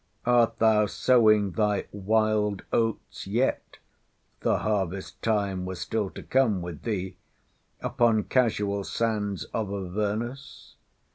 Art thou sowing thy WILD OATS yet (the harvest time was still to come with thee) upon casual sands of Avernus?